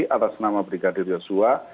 atas nama brigadir yasua